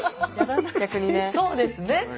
そうですね。